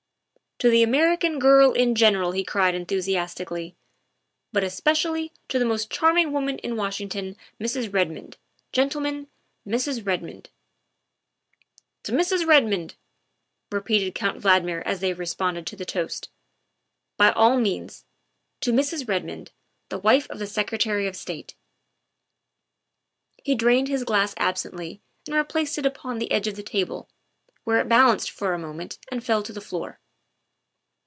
" To the American girl in general," he cried enthu siastically, '' but especially to the most charming woman in Washington Mrs. Redmond, gentlemen, Mrs. Red mond. '' 11 To Mrs. Redmond," repeated Count Valdmir as they responded to the toast, " by all means. To Mrs. Redmond, the wife of the Secretary of State." He drained his glass absently and replaced it upon the edge of the table, where it balanced for a moment and fell to the floor.